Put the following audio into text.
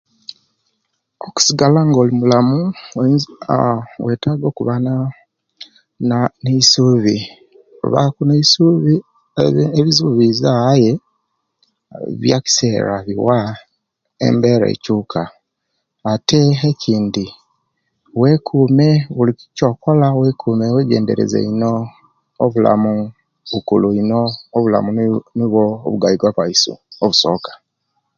Okusigala nga olimulamu aa bwetaga okuba naa naa nesubi obaku nesubi ebizibu biza aye byakisera kuba embera ekyuka, ate ekindi wekume buli ekyokola wekume wegendereze ino obulamu bukulu ino obulamu nibwo obugaiga bwaisu obusoka.